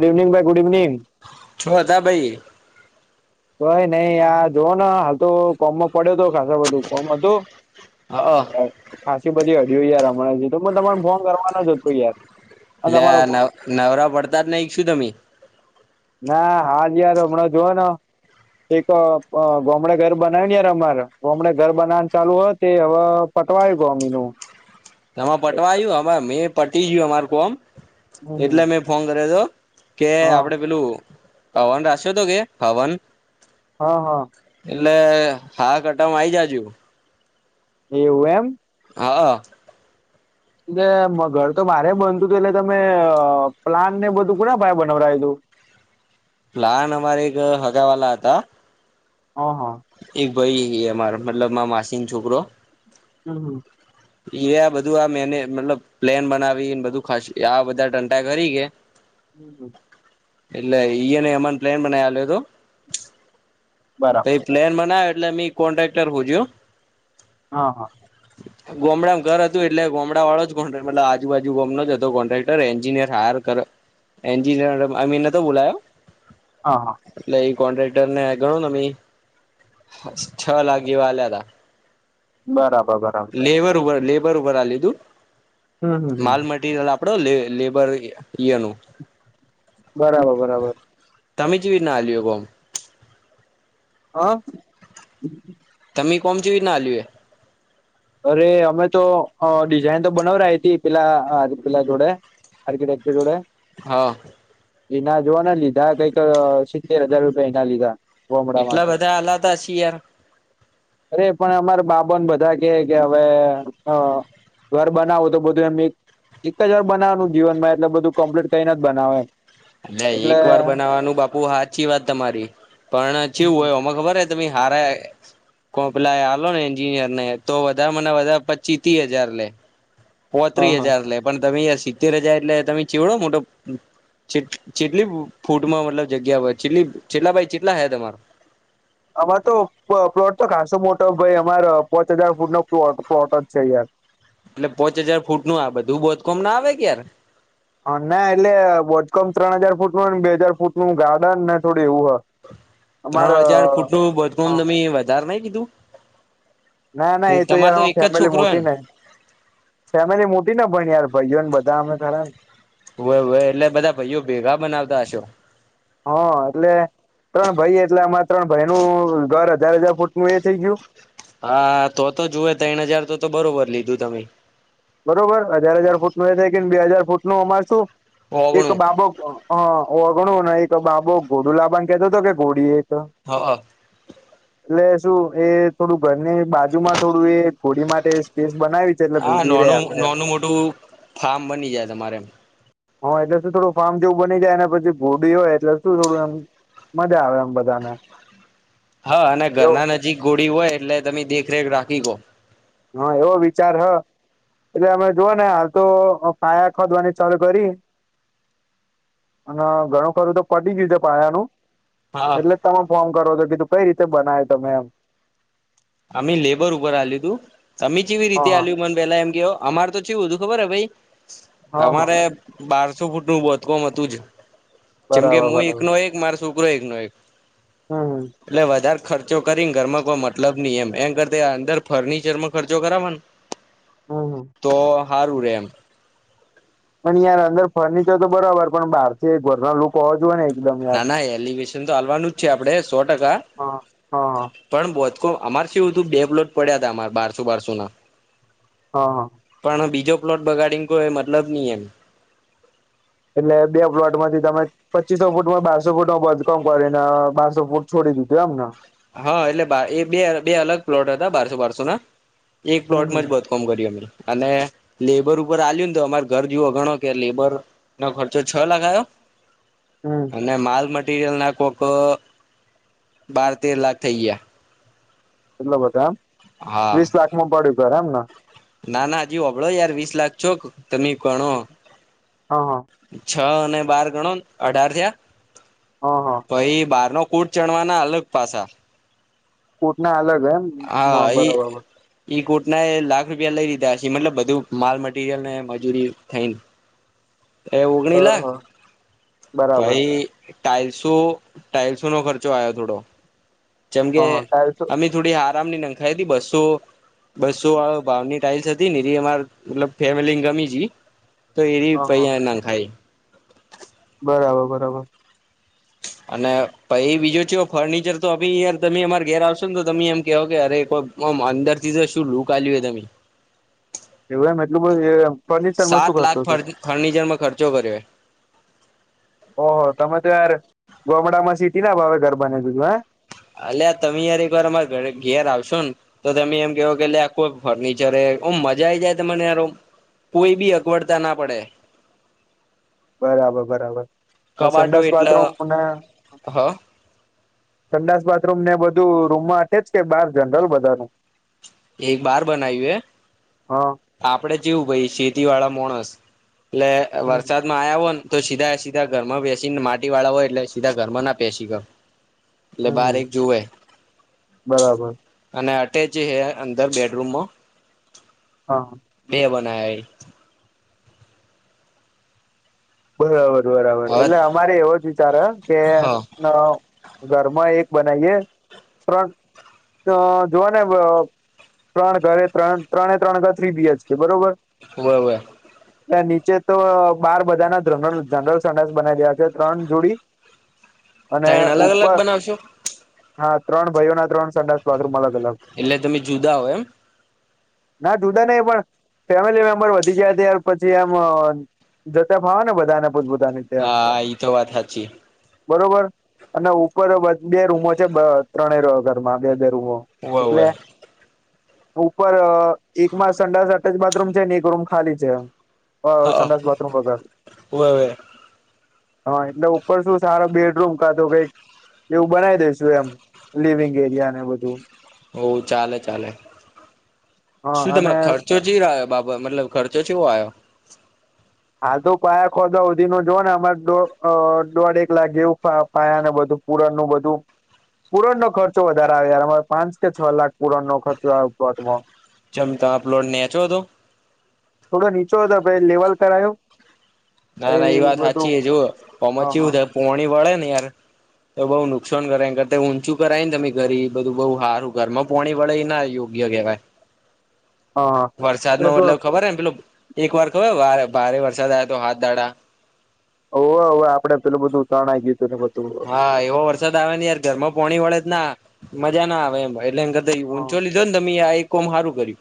Good evening ભાઈ good evening છો હતા ભાઈ. ભ નહી જોઓ હાલ તો કોમો પડ્યો હતો ખાસો બધું કોમ હતું. ખાંસી બધી હડિય યાર હમણાંજી તો તમાને ફોન કરવાનો જત કો યાર. અને એટલે તમારો ફોન નવ નવરા પડતા જ ન શું તમે? ના હાલ યાર હમણાં જોવનો. એક ગમડે ઘર બનાવી ને યાર અમારે ગમડે ઘર બનાવવા ચાલુ હોય તે હવે પટવાય ગો અમીનુંું. એમાં પટવા આવું મેં પટી ગયું અમાર કોમ હમ એટલે મેં ફોન કર્યો હતો. કે હા આપડે પેલું હવન રા્યો તો કે હવન. હા હા. એટલે હા કટમાં આ આવી જાજુ. એવું એમ. હા. એટલે ઘર તો મારે બનતું હતું એટલે તમે પ્લાન ને બધું કોુના પાઈ બનવડય હતું. પ્લાન અમારે એક હગા વાલા હતા હ હ. એક ભાઈ અમા મતલબ માં માસીન છોકરો. હમ હા. એ આ બધું આ મેને મતલબ પ્લેન બનાવીને બધું ખ આ બધા ટંટા કરી કે. હમ હમ. એટલે ઈને એમાંને પ્લેન બનાલ તોું. પ બરાબર પ્લેન બનાવ એટલે અમે કોન્ટ્રાક્ટર હ જોું. હા હા. ગોમડામાં ઘર હતું એટલે ગામમડા વાળો જ કો મતલ આજુબજુ ગમ ન હતો કોન્ટ્રકર એન્જિનિયર હાર એન્ અમીન નતો બોલાયો હા હા. એટલે એ કોન્ટ્રાક્ટર ને ગણો ન છ લાખ જેવા હલ્યા તા. બરાબર બરાબર. લેબર લીધું હમ હમ હમ માલ મરયલ આપડો લેબર. બરાબર બરાબર. તમી ચેવી ના [unintelligible] હા. તમે કોમ ચેવી રીતના આંલુ એ. અરે અમે તો ડિઝાઇન તો બનાવરી તી પેલા પેલા જોડે. [unintelligible] હા. એના જોવોને લીધા કંઈક સિત્તેર હજાર રૂપિયા એના લીધા. ગોમડા એટલા માટે બધા આલ્યા તા છી યાર અરે પણ અમારે બાબને બધા. કે કે હવે ઘર બનાવું તો બધું એમ. એક જ વાર બનાવનું જીવન માં એટલે બધું કમ્પ્લીટ કઈને જ બનાવ એમ. અ એટલે એક વાર બનાવાનું બાપુ સાચી વાત તમારી પણ ચેવું હોય હ અને ખબર. તમે હારા. કોન્ટ્રેક્ટ આલોને એન્જિનિયર ને તો વધારેમાં વધારે પંચી તી હજાર લે. પોત્રીસ હા હજાર, લે પણ તમેયાર સિત્તેર હજાર એટલે તમે ચીવડો મોટો જેટલી ફૂટમાં મતલબ જગ્યા, હોયટલી ચેટલા ભાઈ ચેટલા હ તમારે અમાર, તો પ્લોટ તો ખાસો મોટો ભાઈ અમાર પોંચ હજાર, ફૂટ નો પ્લોટ જ છે યાર એટલે પોચ હજાર, ફૂટ નું આ બધું બોધકોમ ના આવે યાર હ, ના એટલે બોધકામ ત્રણ હજાર, ફૂટ નું બે હજાર, ફૂટ નું ગાર્ડન ને એવું હ અમારે ત્રણ હજાર ફૂટ નું, બોધકામ હા તમે વધારે નઈ કીધું ના, ના એ તો તમારે યાર આ એક જ ફેમિલી છોકરો હે મોટી ને ફેમિલી મોટીને, પણ યાર ભાઈઓને બધા અમે ખરા હોય, હોય એટલે બધા ભાઈઓ, ભેગા બનાવતા હશો હા, એટલે ત્રણ ભાઈ એટલે, આમાં ત્રણ ભાઈનું ઘર હજાર, હજાર ફૂટ નું એ થઇ ગયું હા, તો તો જુએ, ત્રણ હજાર તો તો બરોબર લીધું તમે બરોબર હજાર, હજાર ફૂટ નો એ થાય, કે બે હજાર ફૂટ નું અમાર શું એક ઓગણું બાબો ઓગણું, એક બાબુ ઘોડુ લાબાનો કેતો હતો, કે ઘોડી એક હા. એટલે શું એ થોડું ઘરની બાજુમાં, થોડું એ ઘોડી માટેે બનાવી છે, એટલે ઘોડી રે નાનું, આપડે નાનું મોટું ફાર્મ બની જાય, તમારે હા, એટલે શું થોડું ફાર્મ જેવું બની જાય, અને પછી ઘોડી હોય, એટલે શું થોડું એમ મજા આવે, એમ બધાને હા, અને એવો ઘરના નજીક ઘોળી હોય, એટલે તમે દેખરેખ રાખી શકો હા, એવો વિચાર હ એટલે અમે જોઓ ને હાલ, તો પાયા ખોદવાની ચાલુ કરી અને ઘણું ખરું, તો ખોદી ગયું છે, પાયાનું હા એટલે, તમે ફોન કરો, તો કીધું કઈ રીતે બનાય તમે એમ અમે લેબર ઉપર આલ્યું, તું તમે કેવી હા રીતે હા આલ્યું મને પેલા એમ કે અમારે, તો ચેવું હતુ, ખબર ભાઈ હા હા અમારે બારસો ફૂટ બોધકોમ હતું, જ જેમકે બરાબર હું, એક બરાબર નો એક મારો છોકરો એક નો એક હમ હમ એટલે વધારે ખર્ચો કરીને ઘરમાં કોઈ, મતલબ નહી, એમ એના કરતા અંદર ફર્નિચરમા ખર્ચો કરાવવાનો હમ હમ તો સારું રે એમ પણ યાર અંદર ફર્નિચર, તો બરાબર પણ બાર થી. એક ઘરનો લુક હોવુ જોહોય ને એકદમ યાર ના ના એલિવેશન તો હાલવાનું જ છે, આપડે સો ટકા હા હા હા પણ બોધકામ અમાર શું હતું, બે પલોટ પડ્યા હતા, અમારા બારસો બારસો ના હા પણ બીજો પ્લોટ બગાડીને કોઈ, મતલબ નહી, એમ એટલે બે પ્લોટમાંથી તમે પચીસો ફૂટમા બારસો, ફૂટ ન બદકમ કરીને બારસો ફૂટ છોડી [unintelligible] ના. હા, એટલે એ બે બે અલગ પ્લોટ હતા, બારસો બારસો ના એક હમ પ્લોટમા હમ જ બદકમ કરી્યું, અમે અને લેબર ઉપર આ્યુંને, તો અમારે ઘર જોવો ઘણો કે લેબર ન ખર્ચો છ, લાખ આવ્યો હમ અને માલ મટીરિયલના કોક, બાર તેર લાખ થઈ, ગયા. એટલો, બધ એમ હા વીસ લાખમાં પડ્યું ઘ એમને ના ના હજી, હોબળો યાર વીસ લાખ, છોક તમે કોણો હા, હ છ, અને બાર ગણો અઢાર થયા હ હ પછ, બાર નો કોૂટ ચડવાના, અલગ પાસા કૂટના અલગ, હમ હા એ બરાબબર. ઈ કોટના, એ લાખ રૂપિયા લઈ, લીધાશે મતલબ બધું માલ મટીરિયલ ને મજૂરી થઈને. એ ઓગણી લાખ, હ બરાબર ભાઈ. ટાઈલ્સો ટાાઈલ્સો નો ખર્ચો આયો થોડો જેમ હ કે હ ટાઇલ્સો અમે થોડી હા રામની નંખાઈ હતી બસો બસો વાળ ની ટાઈલ્સ હતી ની જે અમાર મતલબ ફેમેલી ને ગમીતી તો એઈ હ હ પહયા નખાય બરાબર બરાબર [inaudible] અને પહી બીજુ ચુ ફર્નિચર તો અબી યાર તમે અમારે ઘેર આવશો ને તો તમે એમ કેહો કે અરે કો ઓમ અંદર થી તો શું લૂકલ આલ્યું તમે એવદમાં નુ એટલું બધુ એ એમ સાત લાખ ફન ફર્નિચરમાં ખર્ચો કર્યો ઓહ તમે તો યાર ગોમડા માં સીટી ના ભાવે ઘર બનીવી દીધું હે અલેયા તમે યાર એક વાર અમારે ઘરે ઘેર આવશો ને તો તમે એમ કેહો કે એલે આ કોઈ ફર્નિચરે ઓમ મજા આયી જાય તમને યાર ઓમ કોઈ બી અગવડતા ના પડે બરાબર બરાબર ને કબાટો સંડસ એટલે બાથરૂમ ને હ સંડાસ બાથરૂમ ને બધું રૂમમાં અટ્ટાચ્ચજ કે બાર જનરલ બધાનું એક બાર બનાવ્યું હા હે આપણેે જેવું ભઈ સિટી વાળા મોંણસ એટલે હમ વરસાદમાં આયા હો ને તો સીધા સીધા ઘરમાં બેસી ને માટી વાળા હોય એટલે સીધા ઘરમાં ના બેસી જાવ. એટલે હમ હમ. બારીક જુવે બરાબર અને અટેચ હે અંદર બેડરૂમમાં હા ના ઈ બરાબર બરાબર હે એટલે હવે અમારે એવો જ વિચાર હે કે હ અ ઘરમાં એક બનાઈએ ત્રણ અ જોવા ને ત્રણ ઘરે ત્રણ ત્રણે ત્રણ ઘર થ્રી બી એચ કે બરોબર હોવે હોવે નીચે તો બાર બધાના જનરલ જનરલ સંડાસ બનાવી દેવા જોયે ત્રણ જોડી અને ત્રણ અલગ અલગ ઉપર બનાવશો હા ત્રણ ભાઈઓ ના ત્રણ સંડાસ બાથરૂમ અલગ. અલગ એટલે તમે જુદા હો એમ ના જુદા નહી પણ ફેમિલી મેમ્બર વધી ગયા તાર પછી એમ જતા ફાવે ને બધાને પોત હા ઈ તો વાત હાચી બરોબર અને ઉપર બ બે રૂમો છે ત્રણે ઘરમાં બે બે રૂમો હોવે હોવે એટલે ઉપર એકમાં સંડા અટચ બાથરૂમ છે ને એક રૂમ ખાલી છે હ સંડાસ બાથરૂમ વગર હોવેવે હા એટલે ઉપર શું સારા બેડરૂમ કાધો કઈક એવું બનાવી દેસુ એમ લિવિંગ એરિયા ને બધું હો ચાલે ચાલે હા શું અને તમારે ખર્ચો ચીઆયોં બરાબર મતલબ ખર્ચો ચે આયો હાલ તો પાયા ખોદા સુધી નુ જો ને અમારે દોઢ અ એક લાખ જેવું પાયાને બધું પુરણ નું બધું પુરણ નો ખર્ચો વધારે આવે યાર અમારે યાર પાંચ કે છ લાખ પુરાણો ખર્ચો આયો [unintelligible] જેમ તમે પ્લોટ નેચો હતો થોડો નીચો હતો બેડ લેવલ કરાયો ના ના એ પહી વાત બધું હાચી જો આમાં હા ચુ હા હે પોણી વળે ને યાર તો બઉુ નુકસાન કરે એના કરતા ઊંચું કરાય ને તમે ઘરી બધું બહુ સારું ઘર માં પોણી વળે એ ના યોગ્ય યોગ્ય કેવાય હા હા એટલે વરસાદમાં શું મતલબ ખબર એ ને પેલું એક વાર ખબર વા ભારે વરસાદ આયો તો તો હાથ ડાઆ ઓવે ઓવે આપડે પેલું બધું તણાય ગયું તું હા એવો વરસાદ આવે ને યાર ઘરમાં પોણી વળે જ ના મજા ના આવે એમ. લ દ હું ચો લીધો ને તમે આ એક કોમ સારું કર્યું.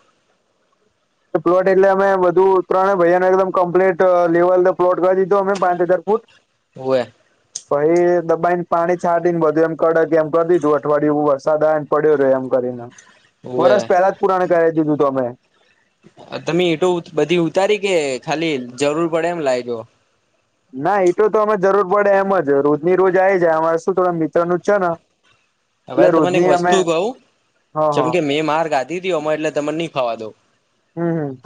પ્લોટ એટલે અમે બધું ઉતરણ ભૈયાને એકદમ કમ્પ્લીટ લેવલ પ્લોટ કરી દીધો અમે પાંચ હજાર ફૂટ. હવે પહિ દબાઈ ને પાણી છાડીને બધું એમ કે કે એમ કરી દીધું અઠવાડયું વ સાદ આવે ને પડ્યો રહે એમ કરીને હોવે વરષ પહેલા જ પુરાણ કરાય દીધું તો અમે. તમે એટું બધી ઉતારી કે ખાલી જરૂર પડે એમ લાયજો. ના એ તો તો અમે જરૂર પડે એમ જ રોજની રોજ આ જાય અમારે શું થ મિત્ર ન જ છે ને હવે એટલે તને એક રોજની અમે વસ્તુ કઉું હા જેમ હા કે મેં માર ગાધી તી અમાં એટલે તમાની થવા દોવ હમ્મ હમ્મ.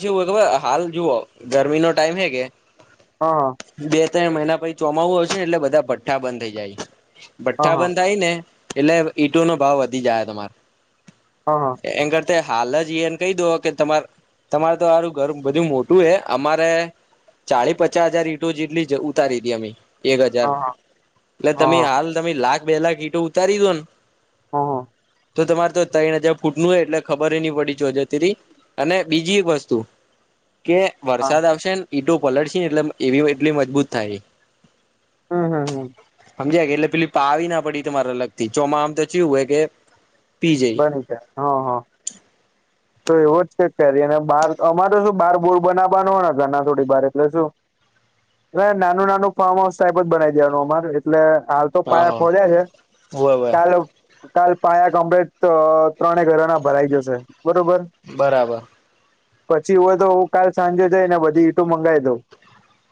જે વગ વા હાલ જુઓ ગરમી નો ટાઈમ હે કે. હા. તે મહિના પછ ચોમાવું હશે ને એટલે બધા ભઠ્ઠા બંધ થઈ જાય હા ભઠ્ઠા હા બંધ થાય ને. એટલે ઈટો નો ભાવ વધી જાય હા હા તમારે એન કર હાલ જ એને કહી દો કે તમા તમારે તો આરું ઘર બધું મોટું હ અમારે ચાળી પચાસ હજાર ઈટો જેટલી જ ઉતારી દે અમે. તેર હજાર હા એટલે હા તમે હા હાલ તમે લાખ બે લાખ ઈટો ઉતારી દો ને. હા હ. તો તમારે તો ત્રણ હજાર ફૂટ નું હોય એટલે ખબર નહી પડી ચજે તરી. અને બીજી એક વસ્તુ કે હા વરસાદ આવશે ને ઈટો પલળશે ને એટલે એવી એટલી મજબૂત થાયએ. હા હા હા. સમજાય કે એટલે પેલી પાવી ના પડી તો તમારે લગતી ચોમાં આમ તો ચવું હોય કે પી જઈ બની જાય હા હા. તો એવો જ ચક કરીએ અને બાર અમારે શું બહાર બોર બનાવવાનો હોને ઘરણા થોડી બાર એટલે શું હવે નાનું નાનું ફાર્મ હાઉસ ટાઈપ જ બનાવી દેવાનું અમાર એટલે. હાલ તો હા પાયા હા ખોલ્યા છે હોય હોય કાલ કાલ પાયા [unintelligible] ત ત્રણે ઘરણા ભરાઈ જશે. બરોબર બરાબર. પછી હોય તો કાલ સાંજે જઈ ને બધી ઈંટું મંગાવી દઉં.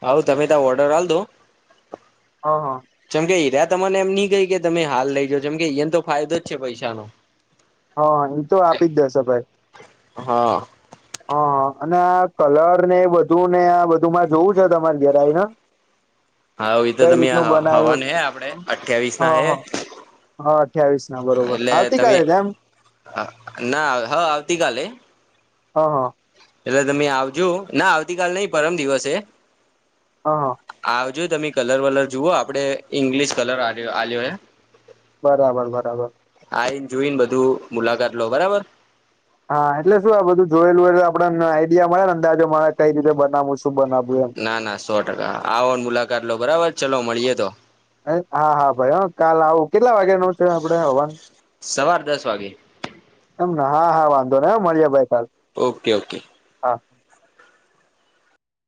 હા તમે ત ઓર્ડર હાલ દો. હા હા જેમકે હઈરા તને એમ નહી કહી કે તમે હાલ લઇ જા જેમકે અહીયા તો ફાયદો જ છે પૈસાનો. હા હ એ તો આપી જ દશે ભાઈ. હા હા અને આ કલર ને બધું ને આ બધુંમાં જોવું છે તમારે ધરે આવીને. હા એ તો કઈ તમે રીતનું હવા બનાવ્યું હવાન હે આપડે અઠ્યાવીસ ના હા હે. હા હા અઠવીસ ના બરોબર એટલે તમે આવતીકાલે તેમ એમ. ના હ આવતીકાલે. હા હા. એટલે તમે આવજો ના આવતીકાલ નઈ પરમ દિવસે એ. હા હા. જો તમે કલર વલર જુઓ આપડે ઇંગ્લિશ કલર આ્યો હે. બરાબર બરાબર. આઈને જોઈને બધું મુલાકાત લો બરાબર. હા એટલે શું આ બધું જોયેલુંયલ આપડને આઈડિયા મળે ને અંદાજો મા કઈ રીતે બનાવું છે. ના ના સો ટકા આવો મુલાકાત લો બરાબર. ચલો મળીએ તો હા હા ભાઈ હ કાલ આવું. કેટલા વાગ્યા નો છે આપણે હવાન સવાર દસ વાગે એમ. હા હા વાંધો નને મળી્યા ભાઈ. કાલ ઓકે ઓકે. હા